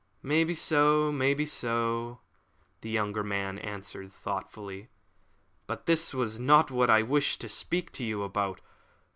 "Maybe so, maybe so," the younger man answered thoughtfully. "But this was not what I wished to speak to you about.